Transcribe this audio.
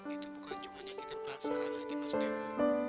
itu bukan cuma nyakit perasaan hati mas dewo